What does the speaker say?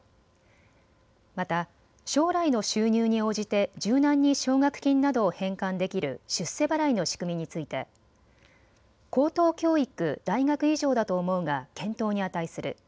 また将来の収入に応じて柔軟に奨学金などを返還できる出世払いの仕組みについて高等教育、大学以上だと思うが検討に値する。